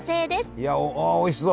いやおいしそう！